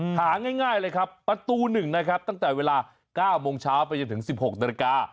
หาง่ายเลยครับประตู๑นะครับตั้งแต่เวลา๙โมงเช้าไปจนถึง๑๖นาฬิกา